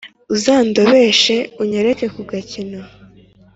Uzandobeshe unyereke ku gakino